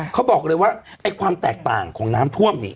เขาบอกเลยว่าไอ้ความแตกต่างของน้ำท่วมนี่